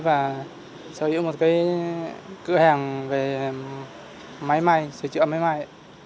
và sở hữu một cái cửa hàng về máy may sửa chữa máy may